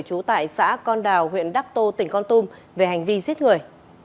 trú tại xã con đào huyện đắc tô tỉnh con tum về hành vi giết người